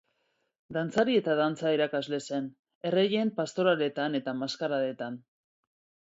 Dantzari eta dantza erakasle zen, errejent pastoraletan eta maskaradetan.